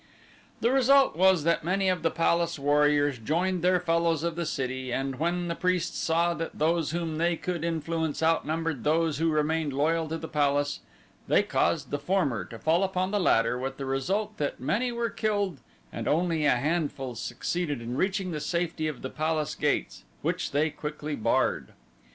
The result was that many of the palace warriors joined their fellows of the city, and when the priests saw that those whom they could influence outnumbered those who remained loyal to the palace, they caused the former to fall upon the latter with the result that many were killed and only a handful succeeded in reaching the safety of the palace gates, which they quickly barred.